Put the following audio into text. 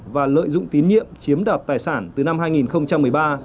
và lợi dụng tín nhiệm chiếm đoạt tài sản từ năm hai nghìn một mươi ba